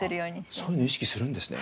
そういうの意識するんですね。